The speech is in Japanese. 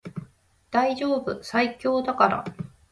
大丈夫最強だから